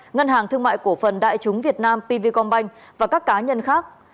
ngân hàng thương mại cổ phần đại chúng việt nam pv combin và các cá nhân khác